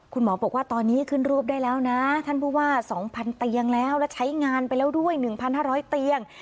คุณหมอบอกว่าตอนนี้ขึ้นรูปได้แล้วนะท่านผู้ว่า๒๐๐เตียงแล้วแล้วใช้งานไปแล้วด้วย๑๕๐๐เตียง